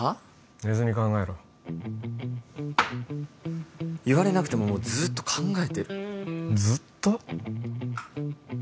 寝ずに考えろ言われなくてももうずーっと考えてるずっと？